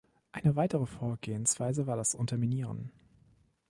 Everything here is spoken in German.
Eine weitere Vorgehensweise war das Unterminieren.